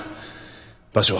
場所は？